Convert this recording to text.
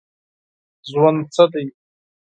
ژوند څه دی ؟